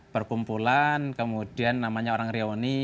perkumpulan kemudian namanya orang rioni